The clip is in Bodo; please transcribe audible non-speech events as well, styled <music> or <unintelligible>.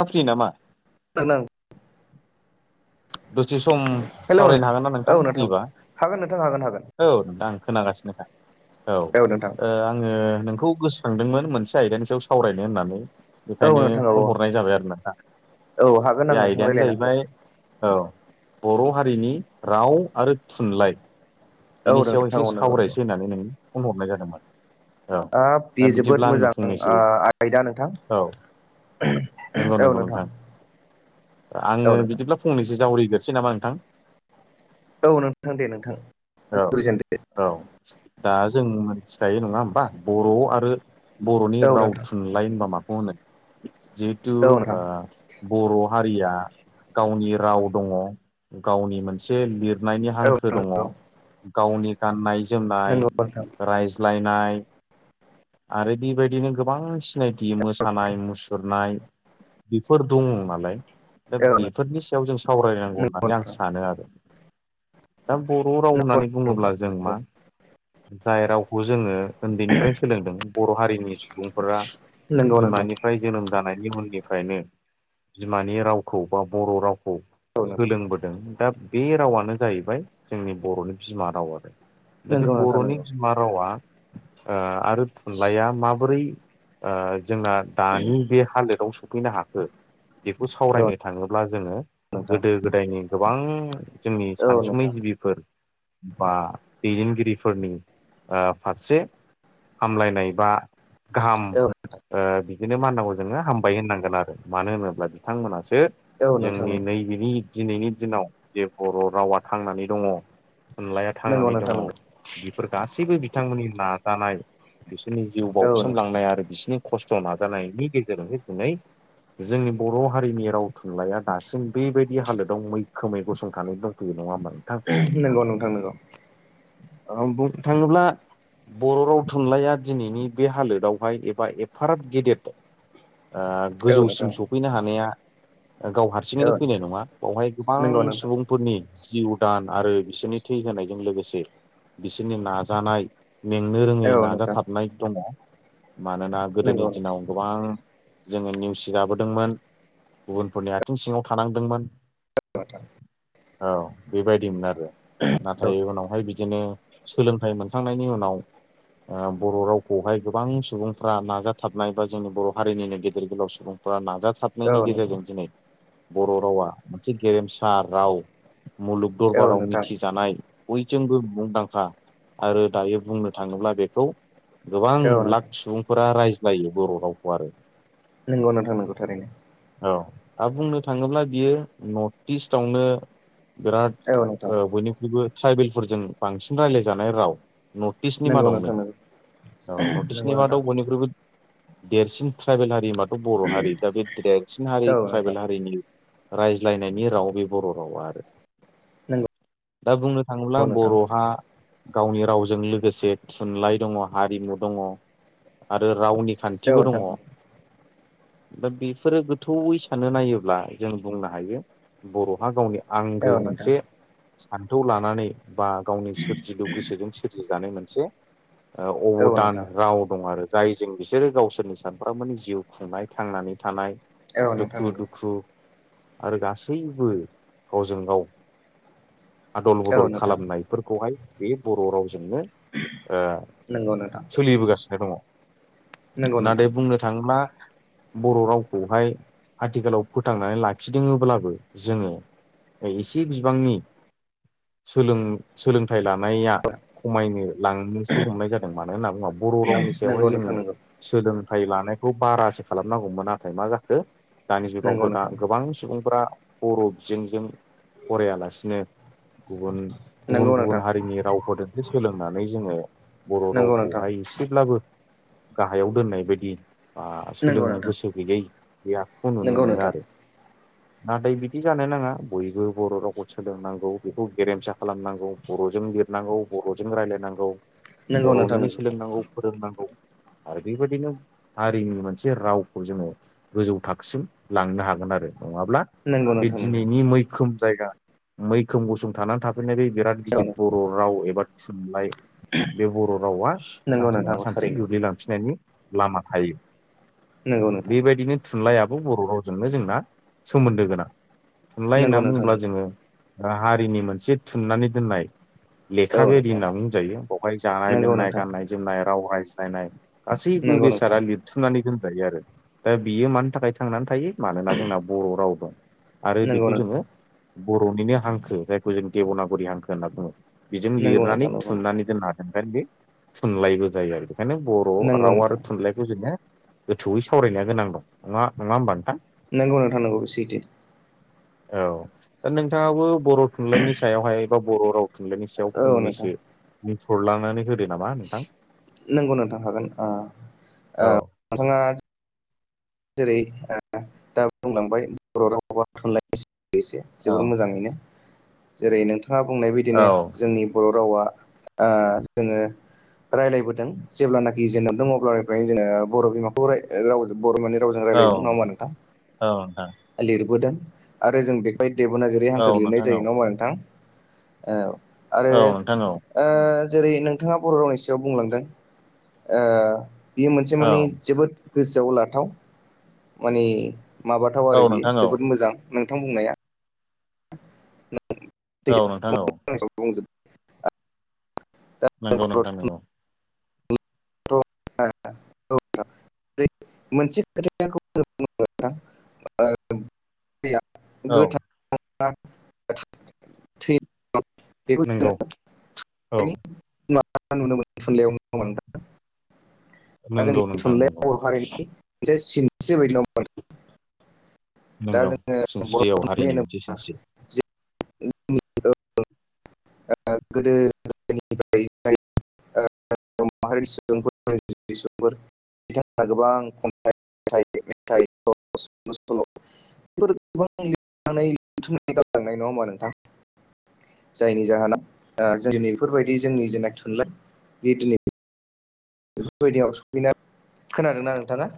सफ्रि नामा? हेलौ दसे सम सावरायनो हागोन ना नोंथां फ्रिबा? हागोन नोंथां हागोन हागोन औ नोंथां आं खोनागासिनो। औ ओ आङो नोंखौ गोसोखांदोंमोन मोनसे आयदानि सायाव सावरायनो होननानै। औ बेखायनो नोंथां औ फन हरनाय जाबाय आरो नोंथां औ हागोन आं बे नोंथां आयदायानो रायज्लायनो हागोन जाहैबाय औ बर' हारिनि राव आरो थुनलाइ। औ बिनि सायाव नोंथां एसे औ नंगौ नंगौ सावरायसै होननानै नोंनो फन हरनाय जादोंमोन। औ हाब बे दा जोबोद बिदिब्ला आंनो मोजां फंनैसो ओ आयदा नोंथां। औ नंगौ औ नंगौ नोंथां औ आङो नोंथां बिदिब्ला फंनैसो जावरिग्रोसै नामा नोंथां। औ नोंथां दे नोंथां औ जुरिजेनदो औ दा जों मिथिखायो नङा होमबा बर' आरो बर'नि औ राव नोंथां थुनलाइ होनबा माखौ होनो? जिहेथु औ ओ नोंथां बर' हारिया गावनि राव दङ गावनि मोनसे लिर नायनि औ हांखो दङ नंगौ गावनि गाननाय जोमनाय नंगौ नोंथां रायज्लायनाय आरो बेबायदिनो गोबां सिनायथि मोसानाय मुसुरनाय बेफोर दङ नालाय। दा औ बेफोरनि सायाव जों सावरायनांगौ नंगौ होननानै आं नोंथां सानो आरो। दा बर' राव होननानै बुङोब्ला जों मा जाय रावखौ जोङो उन्दैनिफ्राय सोलोंदों बर' हारिनि सुबुंफोरा नंगौ नंगौ बिमानिफ्राय जोनोम जानायनि उननिफ्रायनो बिमानि रावखौ बा बर' राव खौ सोलोंबोदों दा बे रावानो जाहैबाय जोंनि बर'नि बिमा राव आरो। दा बे नंगौ बर'नि बिमा रावा ओ आरो थुनलाइया माबोरै ओ जोंना दानि बे हालोदाव सफैनो हाखो बेखौ सावरायनो थाङोब्ला जोङो नोंथां गोदो गोदायनि गोबां जोंनि औ नोंथां नंगौ नोंथां नंगौ औ नोंथां औ सानसुमै नोंथां गिबिफोर बा दैदेनगिरि फोरनि ओ फारसे हामलायनाय बा गाहाम ओ बिदिनो माननांगौ जोङो हामबाय होननांगोन आरो मानो होनोब्ला बिथांमोनासो औ औ नोंथां जोंनि नैबेनि दिनैनि दिनाव जे बर' रावा थांनानै दङ थुनलाइया नंगौ थांनानै दङ नोंथां नंगौ बेफोर गासैबो बिथांमोननि नाजानाय बि सोरनि जिउ औ नोंथां बाउसोमलांनाय आरो बिसिनि खस्थ' नाजानायनि गेजेरजोंसो दिनै जोंनि बर' हारिनि राव थुनलाइया दासिम बेबायदि हालोदाव मैखोमै गसंथानानै दंथैयो नङा होनबा। नंगौ नोंथां नोंगौ बुंनो थाङोब्ला बर' राव थुनलाइया दिनैनि बे हालोदावहाय एबा एफाराब गेदेर ओ औ नोंथां गोजौसिम सफैनो हानाया गाव औ हारसिङैनो फैनाय नोंथां नङा बावहाय गोबां नंगौ नोंथां सुबुंफोरनि जिउ दान आरो बिसोरनि थै होनायजों लोगोसे बिसोरनि नाजानाय मेंनो रोङै औ नोंथां नाजाथाबनाय दङ। मानोना गोदोनि नंगौ नोंथां दिनाव गोबां जोङो नेवसि जाबोदोंमोन गुबुनफोरनि आथिं सिङाव थानांदोंमोन। बाथा औ बेबायदिमोन आरो नोंथां नाथाय उनावहाय बिदिनो सोलोंथाइ मोनखांनायनि उनाव ओ बर' रावखौहाय गोबां सुबुंफ्रा नाजाथाबनाय बा जोंनि बर' हारिनिनो गेदेर गोलाव सुबुंफ्रा नाजा औ थाबनायनि नोंथां गेजेरजों दिनै बर' रावा मोनसे गेरेमसा राव मुलुग औ दरबाराव नोंथां मिथिजानाय बयजोंबो मुंदांखा आरो दायो बुंनो थाङोब्ला बेखौ गोबां औ नोंथां लाख सुबुंफोरा रायज्लायो बर' रावखौ आरो नोंगौ नोंथां नोंगौ थारैनो। औ दा बुंनो थाङोब्ला बियो नर्थ इस्टआवनो बिराद औ नोंथां ओ बयनिख्रुइबो ट्राइबेलफोरजों बांसिन रायज्लायजानाय राव नर्थ इस्टनि नंगौ नोंथां मादावनो। नंगौ औ नर्थ नंगौ इस्टनि नोंथां मादाव बयनिख्रुबो देरसिन ट्राइबेल हारि माथ' बर' हारि दा बे देरसिन हारि औ नोंथां ट्राइबेल हारिनि रायज्लायनायनि राव बे बर' रावा आरो नंगौ दा बुंनो थाङोब्ला औ नोंथां बर'हा गावनि रावजों लोगोसे थुनलाइ दङ हारिमु दङ आरो रावनि खा औ नोंथां। दा बेफोरो गोथौयै सानना नायोब्ला जों बुंनो हायो बर'हा गावनि आंगो औ नोंथां मोनसे सान्थौ लानानै बा गावनि सोरजिलु गोसोजों सोरजिजानाय मोनसे ओ औ नोंथां औ अबदान नोंथां राव दं आरो जायजों बिसोरो गावसोरनि सानफ्रोमबोनि जिउ खुंनाय थांनानै थानाय नंगौ दुखु दुखु आरो गासैबो गावजों गाव आदल औ बदल नोंथां खालामनायफोरखौहाय बे बर' रावजोंनो ओ नंगौ नोंथां सोलिबोगासिनो दङ। नंगौ नोंथां नाथाय बुंनो थाङोब्ला बर' रावखौहाय आथिखालाव फोथांनानै लाखिदोङोब्लाबो जोङो ओइ एसे बिबांनि सोलों-सोलोंथाइ लानाया खमायनो लांनोसो हमनाय जादों मानो होनना बुङा बर' रावनि सायावहाय नंगौ नोंथां जोङो सोलोंथाइ लानाय खौ बारासो खालामनांगौमोन नाथाय मा जाखो दानि नंगौ नंगौ जुगावबो दा नोंथां गोबां सुबुंफोरा बर' बिजोंजों फरायालासिनो गुबुन गुबुन नंगौ गुबुन नोंथां हारिनि रावफोरजोंसो सोलोंनानै जोङो बर' नंगौ नोंथां रावखौहाय एसेब्लाबो गाहायाव दोननाय बायदि बा नंगौ सोलोंनो नोंथां गोसो गैयै बे आखखौ नुनो नंगौ मोनो नोंथां आरो। नाथाय बिदि जानो नाङा बयबो बर' रावखौ सोलोंनांगौ बेखौ गेरेमसा खालामनांगौ बर'जों लिरनांगौ बर'जों रायलायनांगौ नंगौ नोंथां बर'निनो सोलोंनांगौ फोरोंनांगौ। आरो बेबायदिनो हारिनि मोनसे रावखौ जोङो गोजौ थाखोसिम लांनो हागोन आरो। नङाब्ला नंगौ बे नोंथां नंगौ दिनैनि मैखोम जायगा मैखोम गुसं थानानै थाफैनाय बे बिराद औ गिदिर बर' राव एबा थुनलाइ बुं बे बर' रावा नंगौ सानसे नङा नोंथां सानसे थारैनो गोग्लैलांफिननायनि लामा थायो नंगौ नोंथां बेबायदिनो थुनलाइ आफा बर' रावजोंनो जोंना सोमोन्दो गोनां थुनलाइ होनना नंगौ नोंथां बुङोब्ला नंगौ जोङो आ हारिनि मोनसे थुननानै दोननाय लेखा औ बेबायदि नोंथां होनना जायो बेवहाय जानाय नंगौ लोंनाय, नोंथां गाननाय जोमनाय, राव रायज्लायनाय गासैबो नंगौ नोंथां बेसादा लिरथुमनानै दोन जायो आरो दा बियो मानि थाखाय थांनानै थायो मानोना जोंना बर' राव दं। आरो नंगौ बेखौ नोंथां जोङो बर'निनो हांखो जायखौ जों देब'नागरि हांखो होनना बुङो। नोंगौ नोंथा नोंगौ नोंगौ। नै दोननो हागोन ओंखायनो बे थुनलाइबो जायो आरो बेखायनो बर' नंगौ राव आरो नोंथां थुनलाइखौ जोङो गोथौयै सावरायनाया गोनां दं नङा-नङा होमबा नोंथां? नंगौ नोंथां नंगौ बे सैथो। औ दा नोंथाङाबो बर' थुनलाइनि सायावहाय बा बर' राव थुनलाइनि सायाव औ नोंथां फंनैसो बुंफोरलांनानै होदो। नामा नोंथां नंगौ नोंथां हागोन ओ औ नोंथाङा जेरै ओ दा बुंलांबाय <unintelligible> <unintelligible> जोबोर औ मोजाङैनो जेरै नोंथाङा बुंनाय बायदिनो औ जोंनि बर' रावा ओ जोङो रायज्लायबोदों जेब्लानाखि जेनोम दङ अब्लानिफ्रायनो जोङो बर' बिमाखौ राव बर' माने रावजों औ रायलायदों नङा होमा नोंथां औ नोंथां लिरबोदों आरो जों बेहाय देब'नागिरि हांखो औ लिरनाय नोंथां औ जायो नाामा नोंथां आरो औ नोंथां औ जेरै नोंथाङा बर' रावनि सायाव बुंलांदों बियो मोनसे माने औ जोबोद गोसोआव लाथाव माने माबाथाव आरो औ बियो नोंथां औ जोबोद मोजां नोंथां बुंनाया सैथो औ नोंथां औ बुंजोब दा नंगौ बर' नोंथां नोंगौ <unintelligible> <unintelligible> मोनसे खोथायाखौ जों औ बुं <unintelligible> <unintelligible> नंगौ औ। मा नुनो मोन थुनलइयाव <unintelligible> दा नंगौ जोंनि नोंथां नंगौ थुनलाइयाव बर' हारिनि मोनसे सिनस्रि बायदि नंङा होनबा नोंथां नोंगौ सिनस्रियाव हारिनि मोनसे सिनस्रि। <unintelligible> गोदो <unintelligible> <unintelligible> बर' माहारि सुबुंफोर सुबुंफोर बिथांमोना गोबां खम <unintelligible> <unintelligible> बेफोर गोबां लिरनानै लिरथुमनानै गालांनाय नङा होमा नोंथां? जायनि जाहोनाव जोंनै बेफोरबायदि जोंनि जोंना थुनलाइ बे दिनै बेफोरबायदियाव सफैना खोनादोंना नोंथाङा?